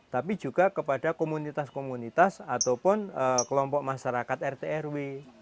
tapi juga kepada komunitas komunitas ataupun kelompok masyarakat rtrw